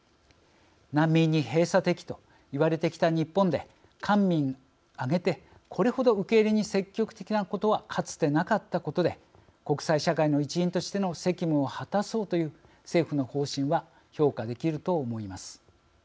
難民に閉鎖的と言われてきた日本で官民挙げて、これほど受け入れに積極的なことはかつて、なかったことで国際社会の一員としての責務を果たそうという政府の方針は評価できると思います。